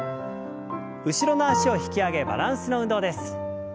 後ろの脚を引き上げバランスの運動です。